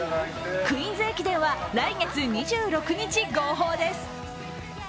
クイーンズ駅伝は来月２６日号砲です。